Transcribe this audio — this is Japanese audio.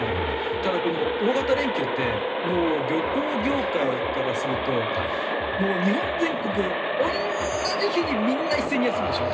ただ、この大型連休って旅行業界からすると日本全国、同じ日にみんな一斉に休むでしょ？